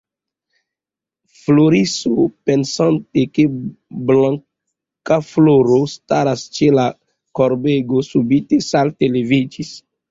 Floriso, pensante ke Blankafloro staras ĉe la korbego, subite salte leviĝis.